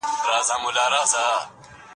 هغه څوک چي لیکل کوي پوهه زياتوي.